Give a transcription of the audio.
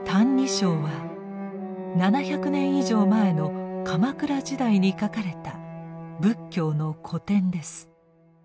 「歎異抄」は７００年以上前の鎌倉時代に書かれた仏教の古典です。